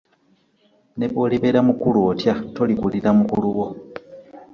Ne bw'olibeera mukulu otya tolikulira mukulu wo.